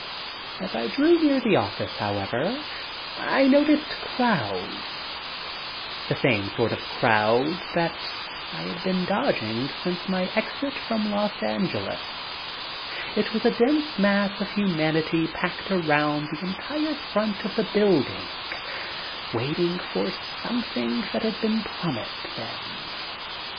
As I drew near the office, however, I noticed crowds, the same sort of crowds that I had been dodging since my exit from Los Angeles. It was a dense mass of humanity packed around the entire front of the building, waiting for something that had been promised them.